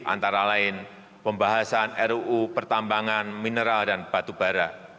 antara lain pembahasan ruu pertambangan mineral dan batu bara